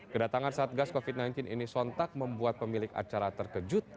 kedatangan satgas covid sembilan belas ini sontak membuat pemilik acara terkejut